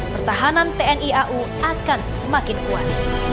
pertahanan tni au akan semakin kuat